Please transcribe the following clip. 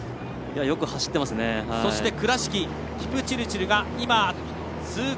そして倉敷、キプチルチルが通過。